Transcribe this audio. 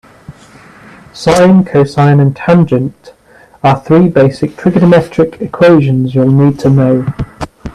Sine, cosine and tangent are three basic trigonometric equations you'll need to know.